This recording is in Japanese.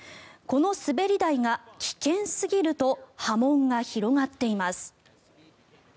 この滑り台が危険すぎると波紋が広がっています。